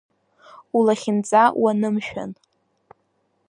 Улахьынҵа уанымшәан.